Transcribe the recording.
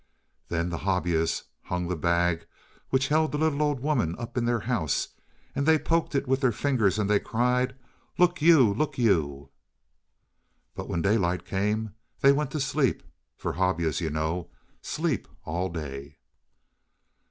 Then the Hobyahs hung the bag which held the little old woman up in their house, and they poked it with their fingers, and they cried: "Look you! Look you!" But when daylight came, they went to sleep, for Hobyahs, you know, sleep all day.